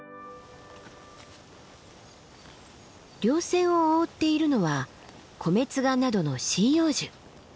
稜線を覆っているのはコメツガなどの針葉樹。